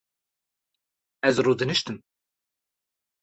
Ez rûdiniştim